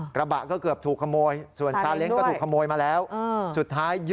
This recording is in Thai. กระบะก็เกือบถูกขโมย